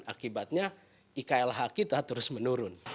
akibatnya iklh kita terus menurun